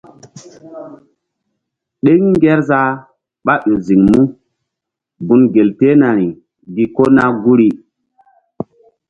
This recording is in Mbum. Ɗeŋ ngerzah ɓáƴo ziŋ mú gun gel tehnari gi kona guri.